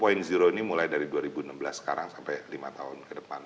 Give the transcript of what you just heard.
ini mulai dari dua ribu enam belas sekarang sampai lima tahun ke depan